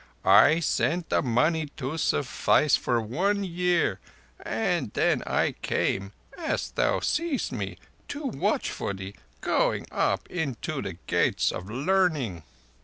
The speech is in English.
I sent the money to suffice for one year, and then I came, as thou seest me, to watch for thee going up into the Gates of Learning.